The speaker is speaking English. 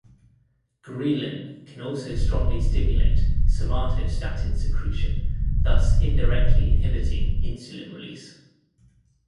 Ghrelin can also strongly stimulate somatostatin secretion, thus indirectly inhibiting insulin release.